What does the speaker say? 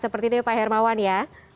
seperti itu ya pak hermawan ya